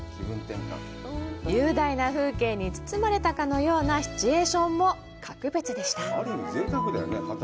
雄大な風景に包まれたかのようなシチュエーションも格別でした。